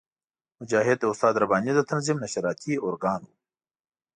مجاهد د استاد رباني د تنظیم نشراتي ارګان وو.